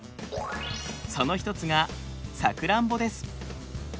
その一つがさくらんぼです。